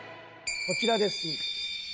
こちらです。